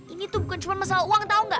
ini tuh bukan cuma masalah uang tahu nggak